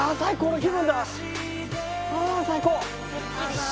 ああ最高。